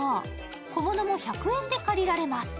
小物も１００円で借りられます。